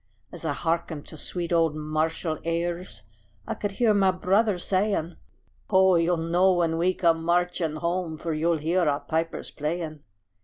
As I hearkened to sweet old martial airs I could hear my brother saying: "Ho! you'll know when we come marching home, For you'll hear our pipers playing."